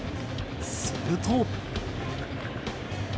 すると。